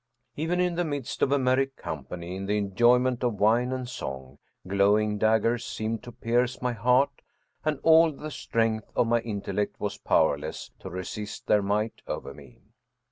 Even 146 Ernest Theodor Amadeus Hoffmann in the midst of a merry company, in the enjoyment of wine and song, glowing daggers seemed to pierce my heart, and all the strength of my intellect was powerless to resist their might over me.